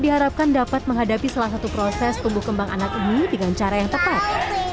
diharapkan dapat menghadapi salah satu proses tumbuh kembang anak ini dengan cara yang tepat